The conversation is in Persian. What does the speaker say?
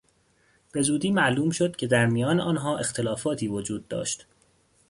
به زودی معلوم شد که در میان آنها اختلافاتی وجود داشت.